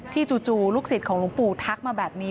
จู่ลูกศิษย์ของหลวงปู่ทักมาแบบนี้